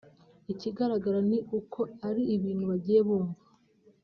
Ikigaragara ni uko ari ibintu bagiye bumva